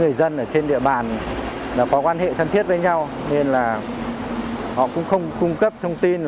tuy nhiên ở trên địa bàn có quan hệ thân thiết với nhau nên họ cũng không cung cấp thông tin